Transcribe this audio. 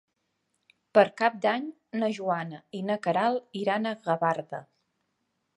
Per Cap d'Any na Joana i na Queralt iran a Gavarda.